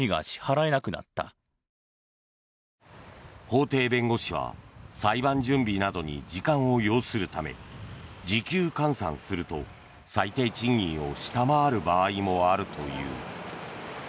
法廷弁護士は裁判準備などに時間を要するため時給換算すると最低賃金を下回る場合もあるという。